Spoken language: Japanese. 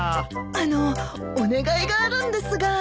あのお願いがあるんですが。